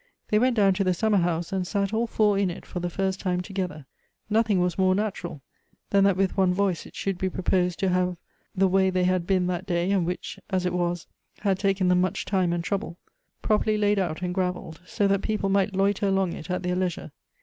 They went down to the summer house, and sat all four in it for the first time together ; nothing was more natural than that with one voice it should be proposed to have the way they had been that day, and which, as it was, had taken tbem much time and trouble, properly laid out and gravelled, so that people might loiter along it at their leisure.